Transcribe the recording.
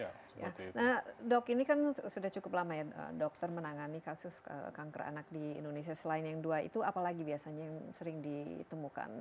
nah dok ini kan sudah cukup lama ya dokter menangani kasus kanker anak di indonesia selain yang dua itu apalagi biasanya yang sering ditemukan